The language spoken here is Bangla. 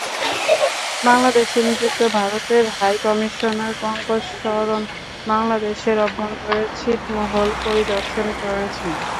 বাংলাদেশে নিযুক্ত ভারতের হাইকমিশনার পঙ্কজ শরন বাংলাদেশের অভ্যন্তরে ছিটমহল পরিদর্শন করেছেন।